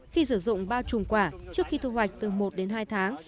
khi sử dụng bao trùm quả trước khi thu hoạch từ một đến hai tháng